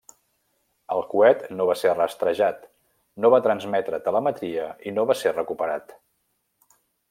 El coet no va ser rastrejat, no va transmetre telemetria i no va ser recuperat.